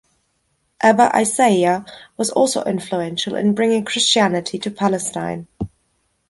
Abba Isaiah was also influential in bringing Christianity to Palestine.